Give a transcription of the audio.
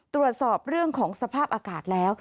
ตรวจสอบเรื่องของสภาพอากาศแล้ว